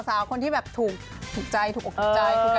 สาวคนที่แบบถูกใจถูกอกถูกใจ